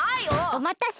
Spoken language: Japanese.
おまたせ。